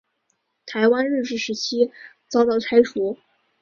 台湾日治时期遭到拆除。